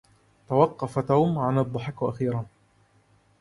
توقف توم عن الضحك أخيرا.